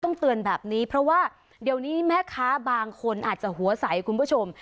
เตือนแบบนี้เพราะว่าเดี๋ยวนี้แม่ค้าบางคนอาจจะหัวใสคุณผู้ชม